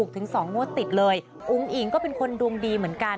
ถึง๒งวดติดเลยอุ้งอิงก็เป็นคนดวงดีเหมือนกัน